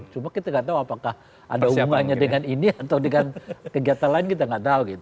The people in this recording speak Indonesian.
cuma kita nggak tahu apakah ada hubungannya dengan ini atau dengan kegiatan lain kita nggak tahu